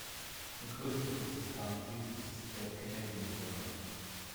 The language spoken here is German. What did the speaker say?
Der größte Fluss des Countys ist der Canadian River.